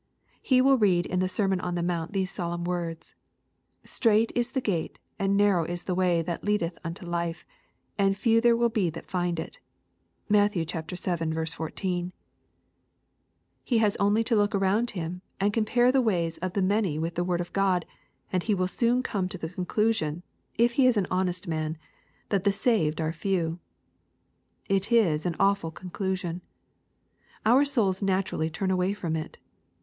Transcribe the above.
He will read in the sermon on the mount these Solemn words, " Strait is the gate and narrow is the Way that leadeth unto life, and few there be that find it." (Matt. vii. 14.) — He has only to look around him, and compare the ways of the many with the word of God^ and he will soon come to the conclusion, if he is an honest man, that the saved are few. It is an awful conclusion. Our souls naturally turn away from it.